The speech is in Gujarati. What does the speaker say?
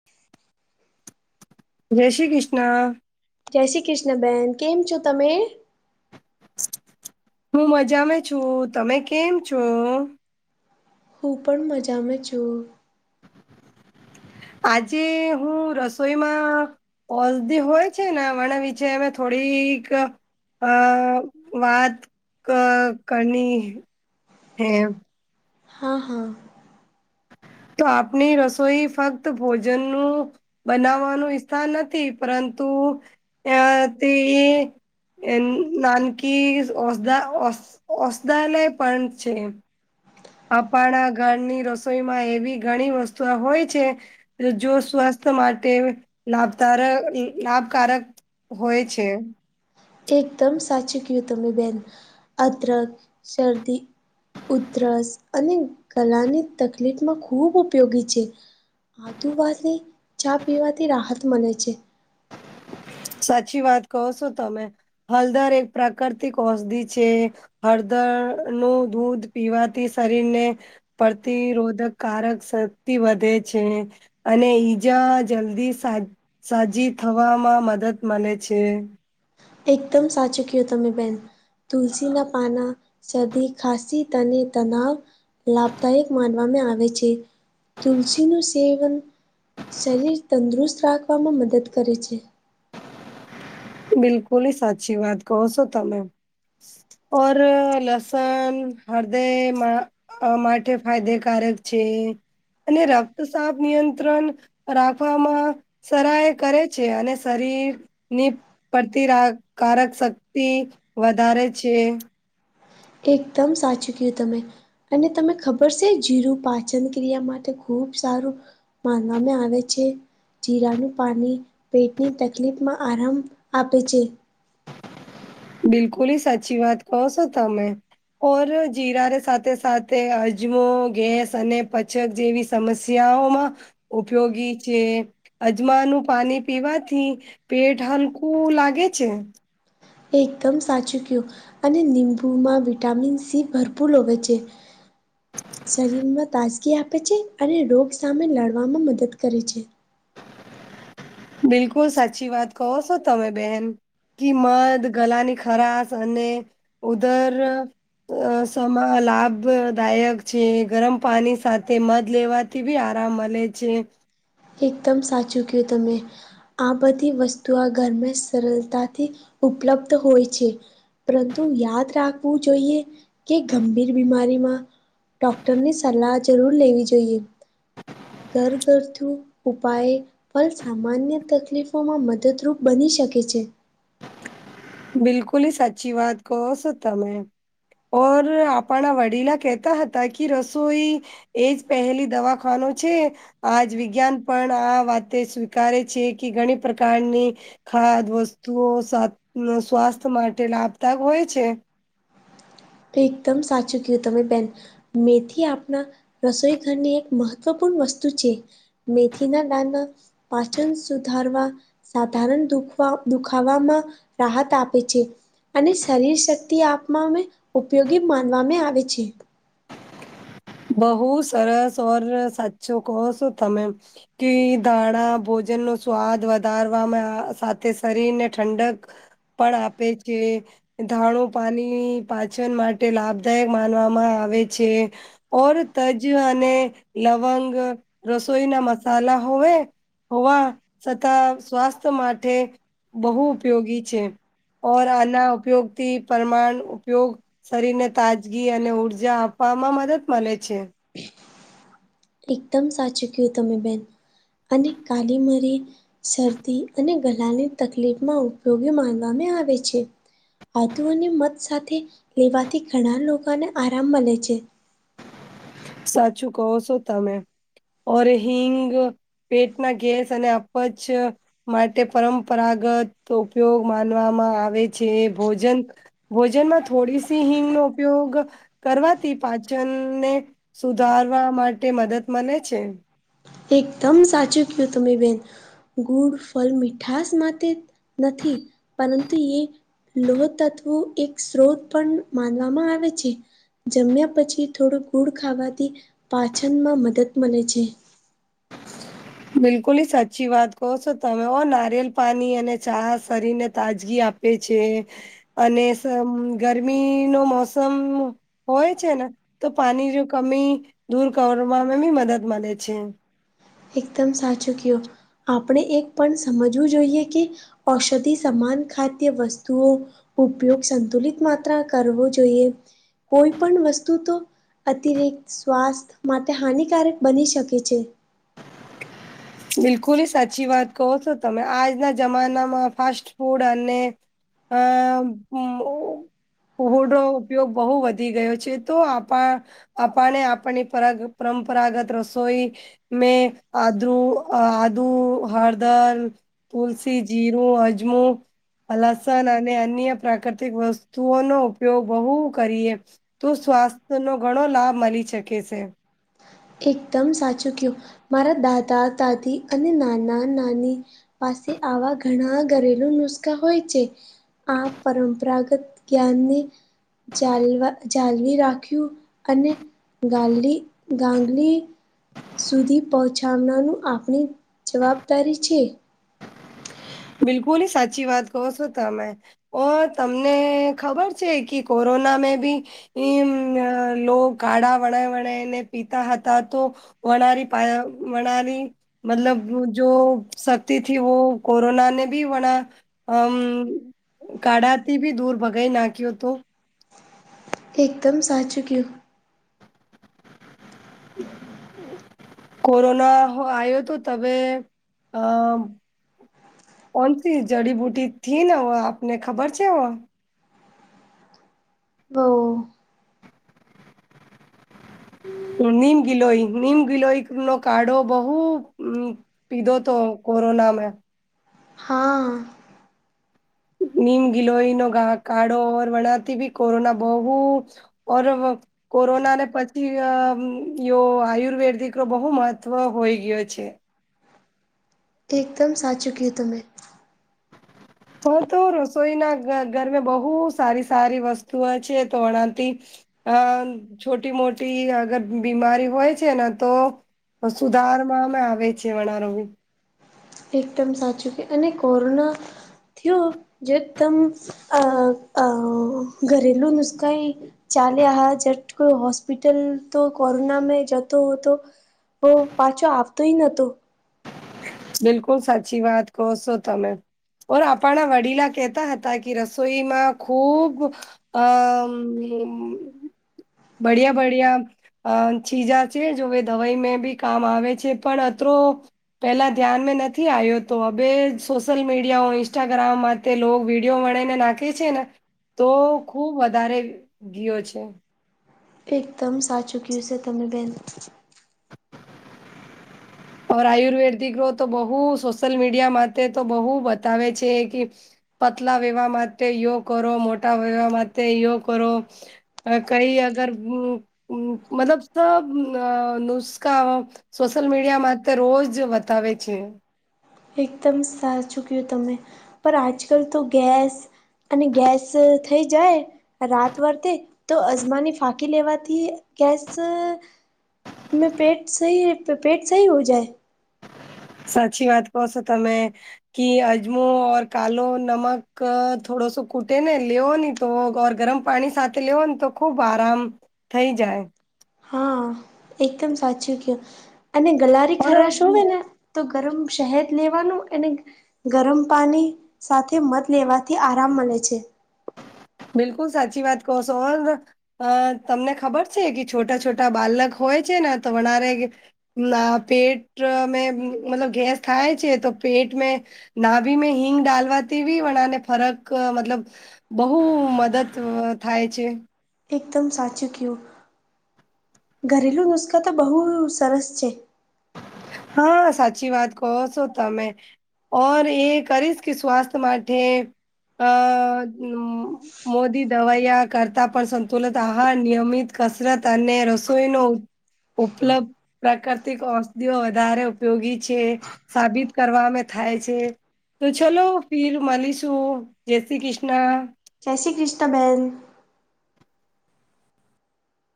[inaudible] જય શ્રી કૃષ્ણ જય શ્રી કૃષ્ણ બેન કેમ છો તમે હું મજામાં છું તમે કેમ છો હું પણ મજામાં છું આજે હું રસોઈમાં ઓલ્ધી હોય છે ને મ વિચારમ થોડીક અ વાત કરની હૈ હા હા તો આપણી રસોઈ ફક્ત ભોજનનું બનાવવાનું વિઈથાર નથી પરંતુ તે એ નાનકી ઔષધાલય પણ છે અપાણા ઘરની રસોઈમાં એવી ઘણી વસ્તુ હોય છે જો સ્વાસ્થ્ય માટે લાભકારક લાભકારક હોય છે એકદમ સાચું કીયું તમે બેહેન અદરક શરદી ઉધરસ અને ગળા ની તકલીફમાં ખૂબ ઉપયોગી છે આદુ વાટી ચા પીવાથી રાહત મળે છે સાચી વાત કહો છો તમે હલદર એક પ્રાકૃતિક ઔષધિ છે હળદરનું દૂધ પીવાથી શરીરને પ્રતિરોધકકારક શક્તિ વધે છે અને ઈજા જલ્દી સા સાજી થવામાં મદદ મળે છે એકદમ સાચું કીધું તમે બેહેન તુલસીના પાના શરદી ખાસી તને તનાવ લાભદાયક માનવામાં આવે છે તુલસીનું સેવન શરીર તંદુરુસ્ત રાખવામાં મદદ કરે છે બિલકુલ સાચી વાત કહો છો તમે ઓર લસણ હૃદય માં અ માટે ફાયદેકારક છે અને રક્ત સાફ નિયંત્રણ રાખવામાં સરાય કરે છે અને શરીરની પ્રતિરાકારક શક્તિ વધારે છે એકદમ સાચું કીધું તમે અને તમે ખબર છે જીરું પાચન ક્રિયા માટે ખૂબ સારું માનવામાં આવે છે જીરાનું પાણી પેટની તકલીફમાં આરામ આપે છે બિલકુલી સાચી વાત કહો છો તમે કોર જીરા સાથે સાથે અજમો ગેસ અને પછક જેવી સમસ્યાઓમાં ઉપયોગી છે અજમાનું પાણી પીવાથી પેટ હલકું લાગે છે એકદમ સાચું કયું અને નિમ્બુમાં વિટામિન સી ભરપૂર લોવે છે શરીરમાં તાજગી આપે છે અને રોગ સામે લડવામાં મદદ કરે છે બિલકુલ સાચી વાત કહો છો તમે બેહેન કી મધ ગલાની ખરાશ અને ઉદર સમા લાભદાયક છે ગરમ પાણી સાથે મધ લેવા થી બી આરામ મળે છે એકદમ સાચું કયું તમે આ બધી વસ્તુ આ ઘરમે સરળતાથી ઉપલબ્ધ હોય છે પરંતુ યાદ રાખવું જોઈએ કે ગંભીર બીમારીમાં ડોક્ટરની સલાહ જરૂર લેવી જોઈએ ઘર ઘથુ ઉપાય ફલ સામાન્ય તકલીફોમાં મદદરૂપ બની શકે છે બિલકુલી સાચી વાત કહો છો તમે ઓર આપણા વડીલા કહેતા હતા કે રસોઈ એજ પહેલી દવાખાનો છે આજ વિજ્ઞાન પણ આ વાતે સ્વીકારે છે કે ઘણી પ્રકારની ખાદ વસ્તુઓ સ્વ સ્વાસ્થ્ય માટે લાભદાયક હોય છે એકદમ સાચું કયું તમે બેન મેથી આપણા રસોઈ ઘરની એક મહત્વપૂર્ણ વસ્તુ છે મેથીના નાના પાચન સુધારવા સાધારણ દુખવા દુખાવામાં રાહત આપે છે અને શરીર શક્તિ આપમા ઉપયોગી માનવામાં આવે છે બહુ સરસ ઓર સાચું કહો છો તમે કે દાણા ભોજન ન સ્વાદ વધારવામાં સાથે શરીરને ઠંડક પણ આપે છે ધાણુ પાણી પાચન માટે લાભદાયક માનવામાં આવે છે ઓર તજ અને લવંગ રસોઈ ના મસાલા હોવે હોવા છતાં સ્વાસ્થ્ય માટે બહુ ઉપયોગી છે ઔર આના ઉપયોક્તિ પરમાણ ઉપયોગ શરીર ને તાજગી અને ઉર્જા આપવામાં મદદ મળે છે. એકદમ સાચું કયુ તમે બેન અને કાલી મરી શરદી અને ગલાની તકલીફમાં ઉપયોગી માનવામાં આવે છે. આધુઓને મત સાથે લેવાથી ઘણા લોકોને આરામ મળે છે. સાચું કહો સોતા મેં ઓરે હિંગ પેટના ગેસ અને અજ માટે પરંપરાગત ઉપયોગ માનવામાં આવે છે ભોજન ભોજનમાં થોડી સી હિંગનો, ઉપયોગ કરવાથી પાચનન સુધારવા માટે મદદ મળે છે. એકદમ સાચું કય્યું તમે બીન ગુડ ફલ મીઠાસ માટે નથી પરંતુ એ લોહ તત્વો એક સ્ત્રોત પણ માનવામાં આવે છે. જમ્યા પછી થોડો ગુળ ખાવાથી પાછનમાં મદદ મળે છે. બિલકુલ સાચી વાત કહો છો તમે ઓ નારિયેલ પાણી અને ચા શરીરને તાજગી આપ છે, અને ગરમી નો મોસમ હોય છે ને તો પાણી જો કમી દૂર કરવામાં બી મદદ મળે છે. એકદમ સાચું કયો આપણે એક પણ સમજવું જોઈએ કે ઔષધિ સમાન ખાદ્ય વસ્તુઓ ઉપયોગ સંતુલિત માત્ર કરવો જોઈએ કોઈ પણ વસ્તુ તો અતિરિક્ત સ્વાસ્થ્ય માટે હાનિકારક બની શકે છે. બિલકુલ સાચી વાત કહો છો, તમે આજના જમાનામાં ફાસ્ટ ફૂડ અને હમ્મ કુહુ નો ઉપયોગ બહુ વધી ગયો છે, તો આપણા આપને આપની પરંપરાગત રસોઈ મે આદરુ અ આદુ હરદર તુલસી જીરુ અજમો લસન અને અન્ય પ્રાકૃતિક વસ્તુઓનોો ઉપયોગ બહુ કરીએ તું સ્વાસ્થ્યનોો ઘણો લાભ મળી શકે છે. એકદમ સાચું કયુ, મારા દાદા દાદી અને નાના નાની પાસે આવા ઘણા ઘરેલું નુસ્ખા હોય છે. આ પરંપરાગત જ્ઞાનને જાલવા જાાલવી રાખ્યું અને ગાલી. ગાંગલી સુધી પહોંચાડનારનું આપણી જવાબદારી છે. બિલકુલ હ સાચી વાત કહ શોતા મેં ઓ તમને ખબર છે, કે કોરોના મે બી એ લો કાળા વણાય વણાય ને પીતા હતા તો વણરી પા વણરી મતલબ જો શક્તિથી કોરોના બી વણા કાઢાથી બી દૂર ભગાઈ નાખ્યો તો એકદમ સાચું કયુ હ કોરોના આવ્યો તો તમે અ કોનથી જડીબુટી થી ને આપને ખબર છે. બહ નીમ ગિલોઈ નીમ ગિલોઈ નો કાઢો બહુ પીધો હતો કોરોના મે હા. નીમ ગિલોઈનો કાળો વણાતી બી કોરોના બહુ અરે બો કોરોના ને પછી આયુર્વેદ બહુ મહત્વ થઈ ગયો છે. એકદમ સાચુ કીધું તમે હા, તો રસોઈના ઘરમાં બહુ સારી-સારી વસ્તુઓ છે, તો તાણી છોટી મોટી અગર બીમારી હોય છે, ને તો તો સુધારમાં અમે આવે છે, વધારો એકદમ સાચું કે અને કોરોના થયો જે એકદમ ઘરેલું નુસ્કાં ચાલે આ જટકો કોઈ હોસ્પિટલમાં તો કોરોનામાં જતો હતો. હો, પાછો આવતોય નહતો. બિલકુલ સાચી વાત કહો છો, તમે. ઓ આપણા વડીલો કહેતા હતા, કે રસોઈમાં ખુબ બડીયા-બડિયા અ ચીજા-ચીજ છે જો દવાઈ બી કામ આવે છે, પણ અત્રે પેલા ધ્યાનમાં નથી આવ્યો તો હવે, સોશિયલ મીડિયા ઇન્સ્ટાગ્રામ માટે લોકો વિડીયો મળીને નાખે છે ને, તો ખુબ વધારે ગયો છે. એકદમ સાચુ ક્હ્યું છે તમે, બેન. આયુર્વેદ તો બહુ સોશિયલ મીડિયા માટે તો બહુ બતાવે છે, કે બદલા લેવા માટે આ કરો, મોટા લેવા માટે યો કરો અ કઈ અગર મતલબ નુસ્ખા સોશિયલ મીડિયામાં ત રોજ બતાવે છે. એકદમ સાચુ ક્હ્યું તમે પણ આજકાલ તો ગેસ અને ગેસ થઈ જાય રાત વર્તે તો અજમાની ફાકી લેવાથી ગસ તેજ સહી, પેટ સહી હો જાય સાચી વાત કહો છો, તમે. કે અજમો, કાલો નમક થોડો સો કૂટે ને લેવની તો ગરમ પાણી સાથે લેવો ને તો ખુબ આરામ થઇ જાય. હા એકદમ સાચું કહ્યું અને ગલારી ઓર ખરાશ હોવે ને? તો ગરમ શહેદ લેવાનું અને ને ગરમ પાણી સાથે મધ લેવાથી આરામ મળે છે. બિલકુલ સાચી વાત કહો સો બરાબર. તમને ખબર છે કે છોટા-છોટા બાલક હોય છેને તો વરે ના પેટ મેં મતલબ ગેસ થાય છે, તો પેટ મે નાભી મેં હિંગ ડાલવાથી ભી વનાને ફરક મતલબ બો બહુ મદદ થાય છે. એકદમ સાચું કહ્યું ઘરેલું નુકસાન તો બહુ સરસ છે. હા, સાચી વાત કહો છો તમેં. ઓર એ કરીશ કે સ્વાસ્થ્ય માટે અ મોઘી દવાયા કરતા પણ સંતુલિત આહાર, નિયમિત કસરત અને રસોઈનો ઉપલબ્ધ પ્રકાર ઔષધિઓ વધારે ઉપયોગી છે, સાબિત કરવાવામાં થાય છે. તો ચલો ફર મલિશું, જય શ્રી કૃષ્ણ. જય શ્રી કૃષ્ણ, બહેન.